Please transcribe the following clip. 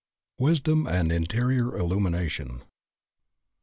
WISDOM AND INTERIOR ILLUMINATION.